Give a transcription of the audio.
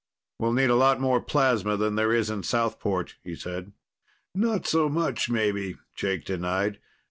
"We'll need a lot more plasma than there is in Southport," he said. "Not so much, maybe," Jake denied.